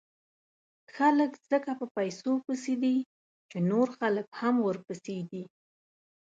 خلک ځکه په پیسو پسې دي، چې نور خلک هم ورپسې دي.